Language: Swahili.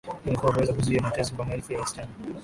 ili kuweza kuzuia mateso kwa maelfu ya wasichana